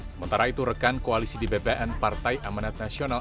sementara itu rekan koalisi dibebean partai amanat nasional